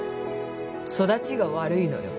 育ちが悪いのよ。